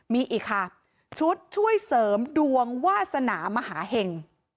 มีอีกค่ะชุดช่วยเสริมดวงวาสนามหาเห็ง